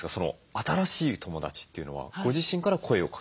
新しい友だちというのはご自身から声をかける？